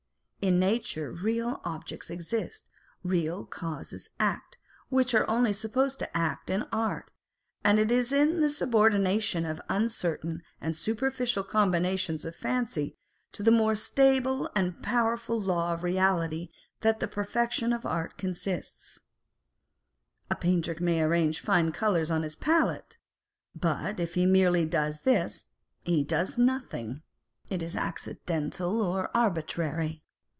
In nature real objects exist, real causes act, which are only supposed to act in art ; and it is in the subordination of the uncertain and superficial combinations of fancy to the 1 See Memoir of W. H., 1867, i. 87, 89â€" ED. 470 Madame Pasta and Mademoiselle Mars. more stable and powerful law of reality that the perfection of art consists. A painter may arrange fine colours on his palette ; but if he merely does this, he does nothing. It is accidental or arbitrary.